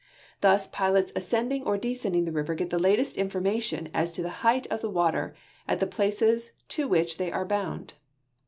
Thus pilots ascending or descending the river get the latest informa tion as to the height of the water at the places to which they are bound.